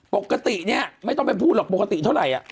ปกติเนี่ยไม่ต้องไปพูดหรอกปกติเท่าไหร่